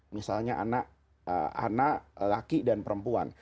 misalnya anak laki dan perempuan